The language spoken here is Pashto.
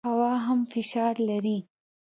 هوا هم فشار لري.